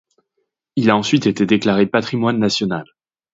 Il a ensuite été déclaré patrimoine national.